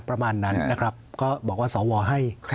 ประมาณนั้นนะครับก็บอกว่าสวให้